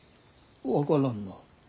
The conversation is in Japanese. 分からんな。